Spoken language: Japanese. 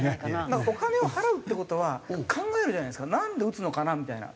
だからお金を払うって事は考えるじゃないですかなんで打つのかなみたいな。